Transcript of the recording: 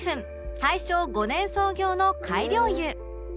大正５年創業の改良湯